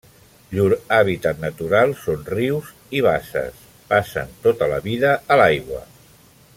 Llur hàbitat natural són rius i basses; passen tota la vida a l'aigua.